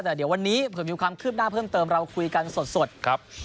แต่เดี๋ยววันนี้เผื่อมีความคืบหน้าเพิ่มเติมเราคุยกันสดครับ